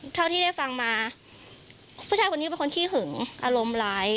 เท่าที่ได้ฟังมาผู้ชายคนนี้เป็นคนขี้หึงอารมณ์ร้าย